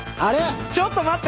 ちょっと待って！